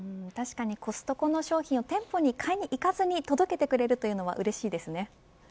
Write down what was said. たしかに、コストコの商品を店舗に買いに行かずに届けてくれるというのはうれしいですね。